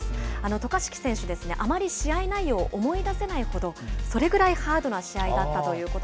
渡嘉敷選手ですね、あまり試合内容思い出せないほど、それぐらいハードな試合だったということ。